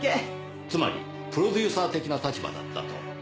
つまりプロデューサー的な立場だったと。